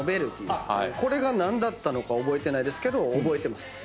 これが何だったのか覚えてないですけど覚えてます。